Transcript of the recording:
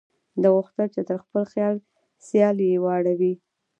ده غوښتل چې تر خپل سیال یې واړوي.